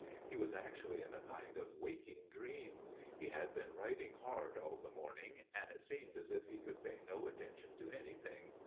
He was actually in a kind of waking dream ; he had been writing hard all the morning, and it seemed as if he could pay no attention to anything.